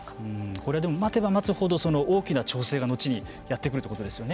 これは待てば待つほど大きな調整が後にやってくるということですよね。